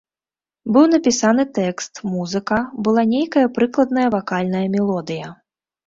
Быў напісаны тэкст, музыка, была нейкая прыкладная вакальная мелодыя.